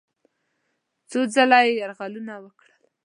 څو ځله یې یرغلونه وکړل.